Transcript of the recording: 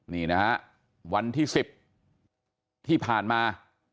นี่นะฮะวันที่๑๐ที่ผ่านมา